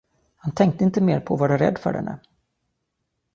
Han tänkte inte mer på att vara rädd för henne.